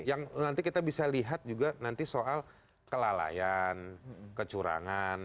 yang nanti kita bisa lihat juga nanti soal kelalaian kecurangan